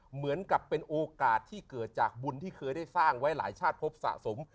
เหมือนกับเป็นโอกาสที่เกิดจากบุญที่เคยได้สร้างไว้หลายชาติพบสะสม